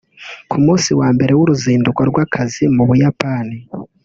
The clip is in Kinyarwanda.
Ku munsi wa mbere w’uruzinduko rw’akazi mu Buyapani